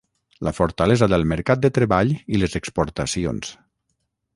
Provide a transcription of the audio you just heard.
la fortalesa del mercat de treball i les exportacions